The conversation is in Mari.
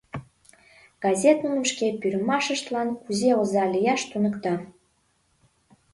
Газет нуным шке пӱрымашыштлан кузе оза лияш туныкта...